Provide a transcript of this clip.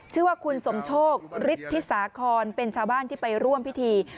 ชื่อว่าคุณสมโชคฤทธิสาคอนเป็นชาวบ้านที่ไปร่วมพิธี